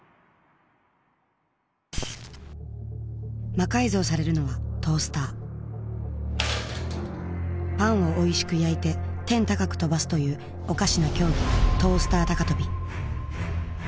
魔改造されるのはトースターパンをおいしく焼いて天高く跳ばすというおかしな競技トースター高跳び